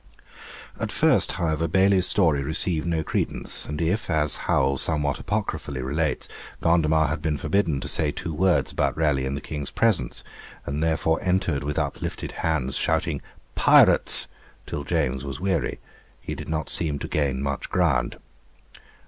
At first, however, Bailey's story received no credence, and if, as Howel somewhat apocryphally relates, Gondomar had been forbidden to say two words about Raleigh in the King's presence, and therefore entered with uplifted hands shouting 'Pirates!' till James was weary, he did not seem to gain much ground.